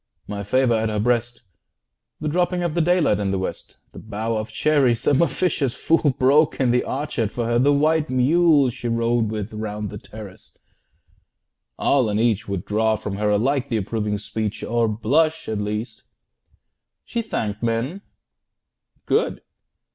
My favour at her breast, The dropping of the daylight in the West, The bough of cherries some officious fool Broke in the orchard for her, the white mule She rode with round the terrace all and each Would draw from her alike the approving speech, 30 Or blush, at least. She thanked men good!